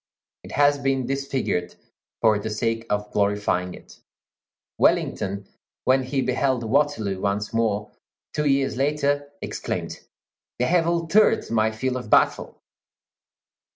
It has been disfigured for the sake of glorifying it. Wellington, when he beheld Waterloo once more, two years later, exclaimed, "They have altered my field of battle!"